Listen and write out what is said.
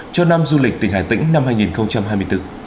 cho năm du lịch tỉnh hà tĩnh năm hai nghìn hai mươi bốn